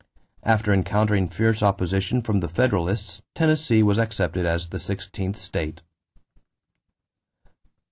After encountering fierce opposition from the Federalists, Tennessee was accepted as the sixteenth state.